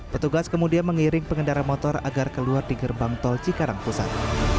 petugas kemudian mengiring pengendara motor agar keluar di gerbang tol cikarang pusat